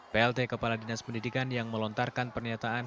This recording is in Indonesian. plt kepala dinas pendidikan yang melontarkan pernyataan